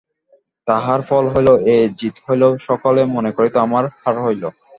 তাহার ফল হইল এই, জিত হইলেও সকলে মনে করিত আমার হার হইল।